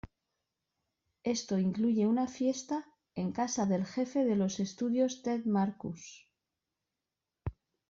Esto incluye una fiesta en casa del Jefe de los Estudios Ted Marcus.